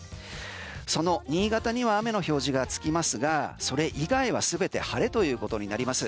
その新潟には雨の表示がつきますがそれ以外は全て晴れということになります。